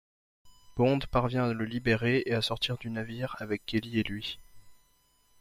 Bond parvient à le libérer et à sortir du navire avec Kelly et lui.